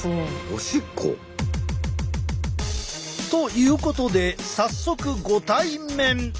おしっこ？ということで早速ご対面。